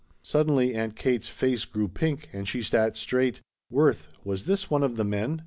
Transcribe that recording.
'" Suddenly Aunt Kate's face grew pink and she sat straight. "Worth, was this one of the men?"